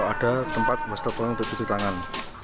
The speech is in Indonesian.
ada tempat wastafel untuk cuci tangan